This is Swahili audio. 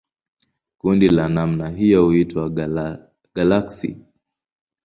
Kundi la namna hiyo huitwa galaksi.